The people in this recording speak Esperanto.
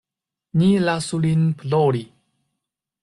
Ni lasu lin plori.